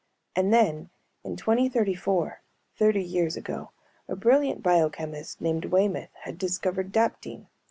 And then, in 2034, thirty years ago, a brilliant biochemist named Waymoth had discovered daptine.